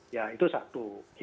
ya itu satu